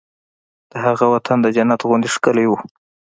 د هغه وطن د جنت غوندې ښکلی و